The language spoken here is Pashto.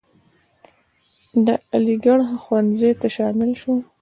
د علیګړهه ښوونځي ته شامل شو.